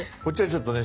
ちょっとね